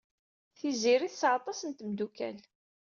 Tiziri tesɛa aṭas n tmeddukal.